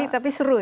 tapi seru ya